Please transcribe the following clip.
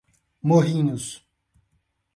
Morrinhos